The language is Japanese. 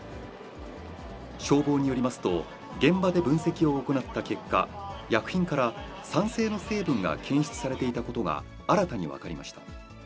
消防によりますと、現場で分析を行った結果、薬品から酸性の成分が検出されていたことが新たに分かりました。